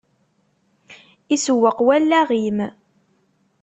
Isewweq wallaɣ-im.